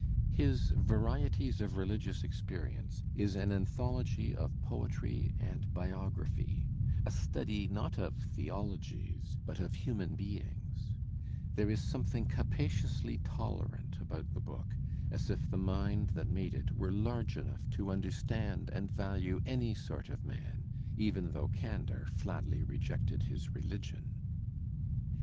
His "Varieties of Religious Experience" is an anthology of poetiy and biography, a study not of theologies, but of human beings; there is something capaciously tolerant about the book, as if the mind that made it were large enough to Digitized by Google WILLIAM JAMES 303 understand and value any sort of man, even though candour flatly rejected his religion.